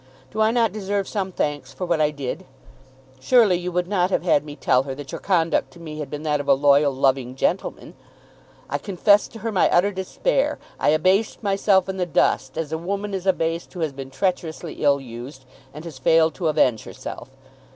Do I not deserve some thanks for what I did? Surely you would not have had me tell her that your conduct to me had been that of a loyal, loving gentleman. I confessed to her my utter despair; I abased myself in the dust, as a woman is abased who has been treacherously ill used, and has failed to avenge herself.